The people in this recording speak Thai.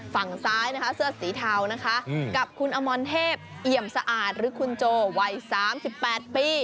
ฝั่งซ้ายนะคะเสื้อสีเทานะคะกับคุณอมรเทพเอี่ยมสะอาดหรือคุณโจวัย๓๘ปี